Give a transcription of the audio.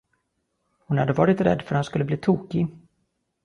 Hon hade varit rädd för att han skulle bli tokig.